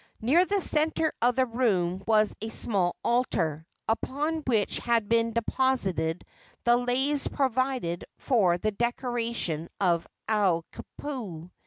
Near the centre of the room was a small altar, upon which had been deposited the leis provided for the decoration of Akuapaao.